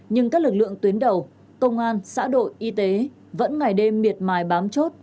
nhưng các lực lượng tuyến đầu công an xã đội y tế vẫn ngày đêm miệt mài bám chốt